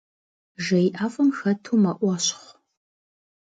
Жей ӏэфӏым хэту мэӏуэщхъу.